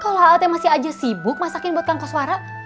kalau lah ate masih aja sibuk masakin buat kangkos warak